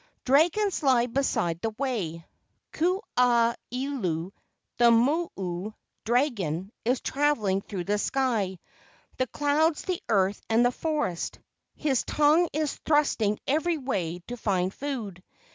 Dragons lie beside the way. Ku aha ilo, the mo o [dragon], is travelling through the sky, the clouds, the earth, and the forest. His tongue is thrusting every way to find food.